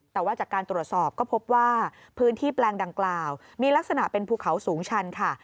แต่ว่าจากการตรวจสอบก็พบว่าพื้นที่แปลงดังกล่าวมีลักษณะเป็นภูเขาสูงชันค่ะ